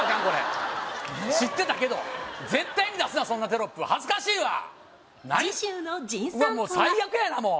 これ知ってたけど絶対に出すなそんなテロップ恥ずかしいわ何うわもう最悪やな